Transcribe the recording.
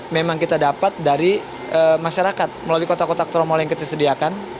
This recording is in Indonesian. memang kita dapat dari masyarakat melalui kotak kotak tromol yang kita sediakan